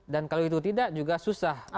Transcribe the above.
dan kalau itu tidak juga susah